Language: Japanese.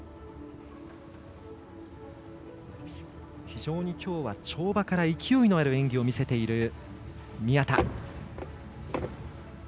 非常にきょうは跳馬から勢いのある演技を見せている宮田。